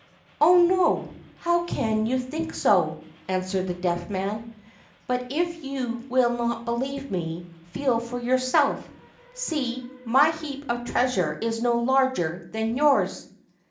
"Oh, oh! how can you think so?" answered the Deaf Man; "but if you will not believe me, feel for yourself. See, my heap of treasure is no larger than yours."